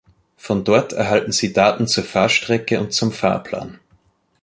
Von dort erhalten sie Daten zur Fahrstrecke und zum Fahrplan.